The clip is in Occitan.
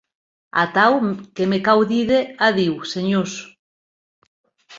Atau que me cau díder adiu, senhors.